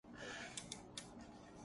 ان سوالوں کے جواب تو ہوں۔